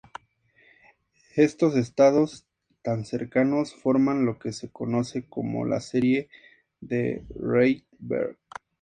Estos estados tan cercanos forman lo que se conoce como la "serie de Rydberg".